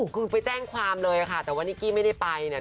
คือไปแจ้งความเลยค่ะแต่ว่านิกกี้ไม่ได้ไปเนี่ย